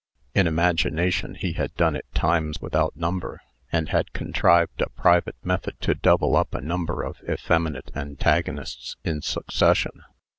In imagination, he had done it times without number; and had contrived a private method to double up a number of effeminate antagonists in succession.